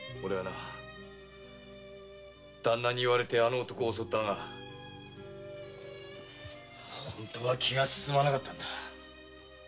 だんなに言われてあの男を襲ったが本当は気が進まなかったんだ。